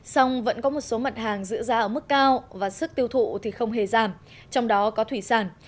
song vẫn có một số mặt hàng giữ giá ở mức cao và sức tiêu thụ thì không hề giảm trong đó có thủy sản